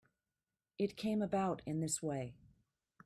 It came about in this way.